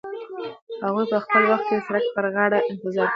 هغوی به په هغه وخت کې د سړک پر غاړه انتظار کاوه.